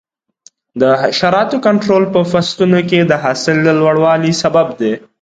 د حشراتو کنټرول په فصلونو کې د حاصل د لوړوالي سبب دی.